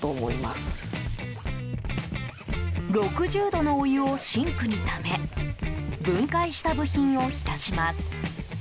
６０度のお湯をシニクにため分解した部品を浸します。